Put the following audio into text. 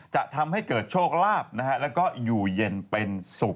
จะทำให้เกิดโชคลาภแล้วก็อยู่เย็นเป็นสุข